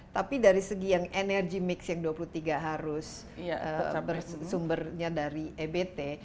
tapi dari segi yang energy mix yang dua puluh tiga harus bersumbernya dari ebt